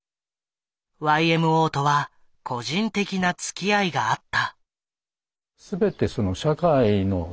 ＹＭＯとは個人的なつきあいがあった。